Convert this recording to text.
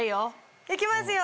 行きますよ。